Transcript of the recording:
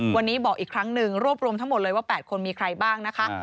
วันนี้บอกอีกครั้งหนึ่งรวบรวมทั้งหมดเลยว่า๘คนมีใครบ้างนะคะ